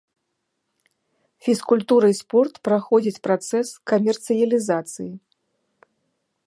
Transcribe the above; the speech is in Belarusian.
Фізкультура і спорт праходзяць працэс камерцыялізацыі.